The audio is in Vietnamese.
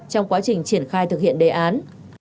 trong quá trình triển khai thực hiện đề án